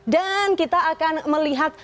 dan kita akan melihat